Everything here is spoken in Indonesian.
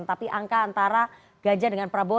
tapi angka antara ganjar pranowo dengan pranowo